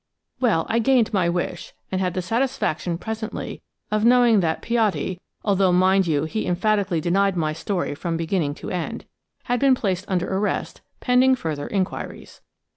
Well, I gained my wish, and had the satisfaction presently of knowing that Piatti–although, mind you, he emphatically denied my story from beginning to end–had been placed under arrest pending further inquiries.